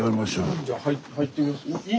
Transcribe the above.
じゃあ入ってみます？